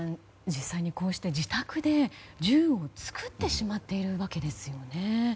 実際にこうして自宅で銃を作ってしまっているわけですよね。